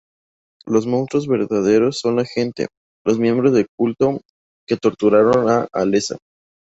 Los monstruos verdaderos son la gente, los miembros del culto que torturaron a Alessa.